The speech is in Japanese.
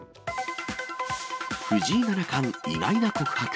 藤井七冠、意外な告白。